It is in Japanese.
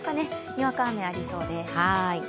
にわか雨、ありそうです。